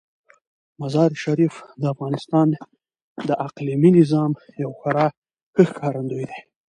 مزارشریف د افغانستان د اقلیمي نظام یو خورا ښه ښکارندوی دی.